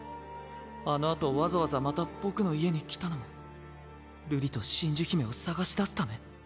あのあとわざわざまた僕の家に来たのも瑠璃と真珠姫を捜し出すため。